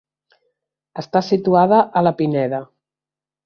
Està situada a la Pineda.